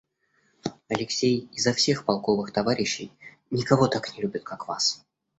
Алексей изо всех полковых товарищей никого так не любит, как вас.